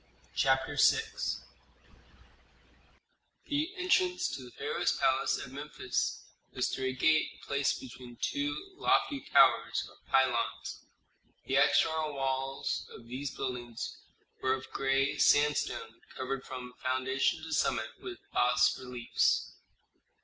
CHAPTER VI The entrance to the pharaoh's palace at Memphis was through a gate placed between two lofty towers or pylons. The external walls of these buildings were of gray sandstone covered from foundation to summit with bas reliefs.